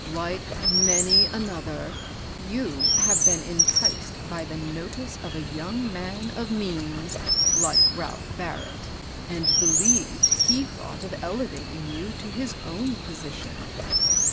Like many an other,, you have been enticed by the notice of THE AID SOClilTY. 38^ a young man of means, like Ralph Barrett, and believed he thought of elevating you to his own position.